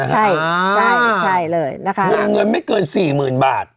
ใช่ใช่เลยนะคะวงเงินไม่เกินสี่หมื่นบาท